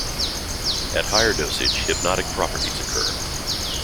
At higher dosage hypnotic properties occur.